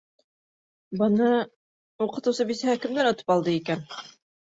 Быны... уҡытыусы бисәһе кемдән отоп алды икән?